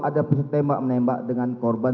ada tembak menembak dengan korban